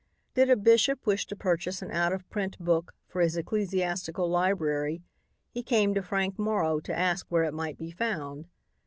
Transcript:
Did a bishop wish to purchase an out of print book for his ecclesiastical library, he came to Frank Morrow to ask where it might be found.